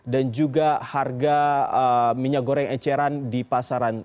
dan juga harga minyak goreng eceran di pasaran